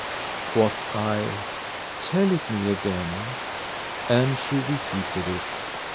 Quoth I, "Tell it me again"; and she repeated it.